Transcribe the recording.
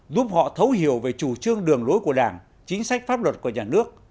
giúp họ thấu hiểu về chủ trương đường lối của đảng chính sách pháp luật của nhà nước